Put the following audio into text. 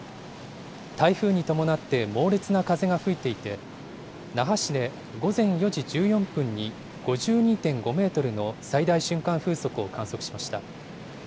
台風に伴って猛烈な風が吹いていて、那覇市で午前４時１４分に５２．５メートルの最大瞬間風速を観測しました。